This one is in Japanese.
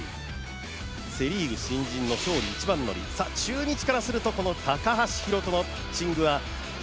セ・リーグ新人の一番乗り中日からすると、この高橋宏斗のピッチング。